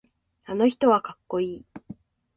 あの人はかっこいい。